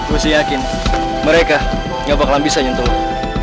gue sih yakin mereka gak bakalan bisa nyentuh lo